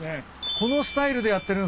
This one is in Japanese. このスタイルでやってるんすか。